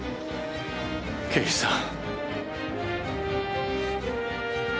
刑事さん。